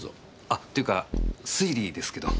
あていうか推理ですけど。